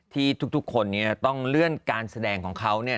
ที่ทุกคนเนี่ยต้องเลื่อนการแสดงของเขาเนี่ย